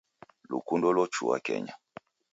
Lukundo lochua kenya.